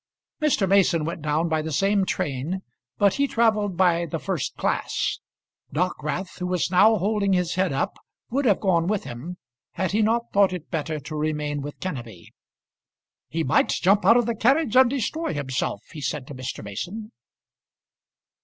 Mr. Mason went down by the same train, but he travelled by the first class. Dockwrath, who was now holding his head up, would have gone with him, had he not thought it better to remain with Kenneby. "He might jump out of the carriage and destroy himself," he said to Mr. Mason.